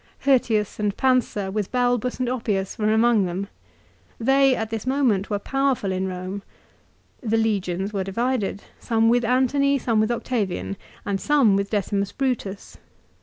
Hirtius and Pansa with Balbus and Oppius were among them. They, at this moment, were powerful in Eome. The legions were divided, some with Antony, some with Octavian, and THE PHILIPPICS. 249 some with Decimus Brutus.